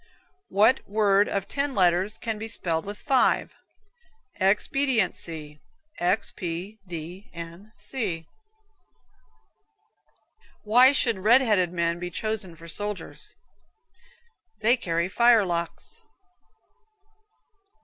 What word of ten letters can be spelled with five? Expediency (X P D N C). Why should red headed men be chosen for soldiers? They carry fire locks.